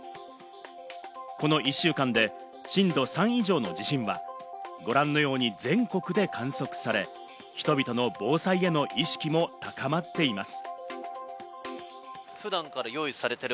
この１週間で震度３以上の地震は、ご覧のように全国で観測され、人々の防災への意識も高まっています。